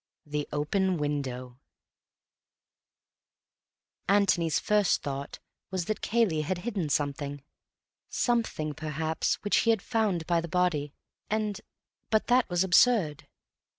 The Open Window Anthony's first thought was that Cayley had hidden something; something, perhaps, which he had found by the body, and—but that was absurd.